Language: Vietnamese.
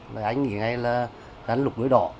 rồi anh nghĩ ngay là rắn lục đuối đỏ